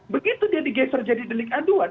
begitu dia digeser jadi delik aduan